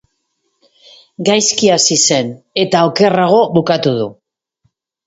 Gaizki hasi zen eta okerrago bukatu du.